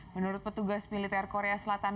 menurut petugas militer korea selatan